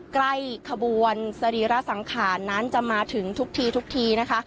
ใกล้ขบวนสรีระสังขารนั้นจะมาถึงทุกทีทุกทีนะคะ